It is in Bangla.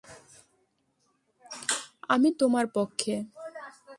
আমি তোমার পক্ষে।